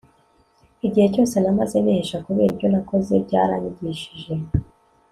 igihe cyose namaze nihisha kubera ibyo nakoze byaranyigishije